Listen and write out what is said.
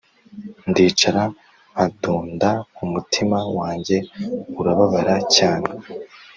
ndicara nkadoda - umutima wanjye urababara cyane -